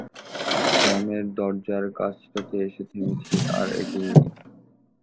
যমের দরজার কাছটাতে এসে থেমেছি, আর এগোই নি।